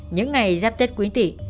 những ngày dắp tết quýnh tị